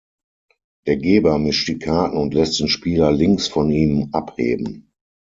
Der Geber mischt die Karten und lässt den Spieler links von ihm abheben.